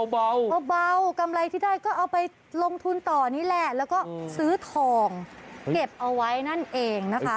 เบากำไรที่ได้ก็เอาไปลงทุนต่อนี่แหละแล้วก็ซื้อทองเก็บเอาไว้นั่นเองนะคะ